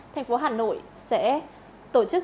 thành phố hà nội sẽ tổ chức